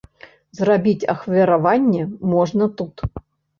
Зрабіць ахвяраванне можна тут.